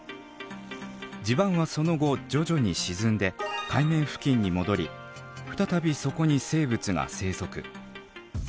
地盤はその後徐々に沈んで海面付近に戻り再びそこに生物が生息。